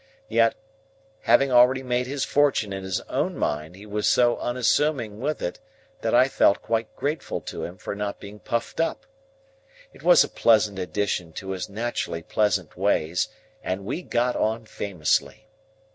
Yet, having already made his fortune in his own mind, he was so unassuming with it that I felt quite grateful to him for not being puffed up. It was a pleasant addition to his naturally pleasant ways, and we got on famously.